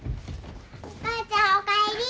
お母ちゃんお帰り。